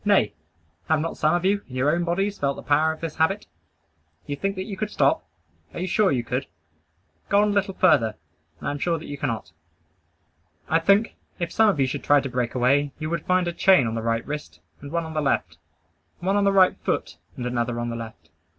Nay, have not some of you, in your own bodies, felt the power of this habit? You think that you could stop? Are you sure you could? Go on a little further, and I am sure you cannot. I think, if some of you should try to break away, you would find a chain on the right wrist, and one on the left; one on the right foot, and another on the left.